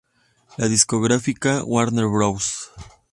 La discográfica Warner Bros.